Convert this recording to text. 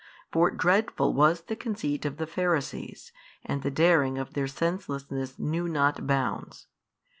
For dreadful was the conceit of the Pharisees, and the daring of their senselessness knew not bounds.